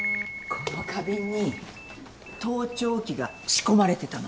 この花瓶に盗聴器が仕込まれてたの。